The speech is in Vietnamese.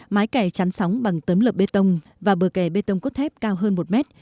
mái kè chắn sóng bằng tấm lập bê tông và bờ kè bê tông cốt thép cao hơn một mét